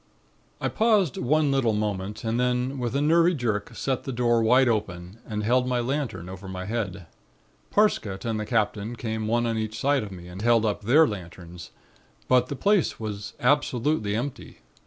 "I paused one little moment and then with a nervy jerk sent the door wide open and held my lantern over my head. Parsket and the Captain came one on each side of me and held up their lanterns, but the place was absolutely empty.